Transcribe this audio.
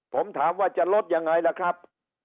ผมถามว่าจะลดยังไงล่ะครับ